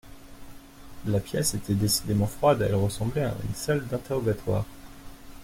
La pièce était décidément froide, elle ressemblait à une salle d’interrogatoire